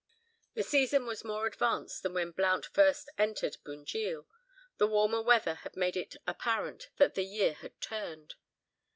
The season was more advanced than when Blount first entered Bunjil, the warmer weather had made it apparent that "the year had turned."